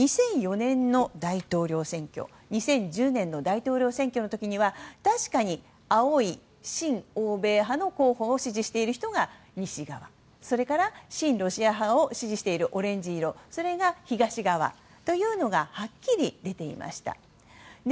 ２００４年の大統領選挙２０１０年の大統領選挙の時には確かに青い親欧米派の候補を支持している人が西側それから親ロシア派を支持するオレンジ色が東側というのがはっきり出ていました。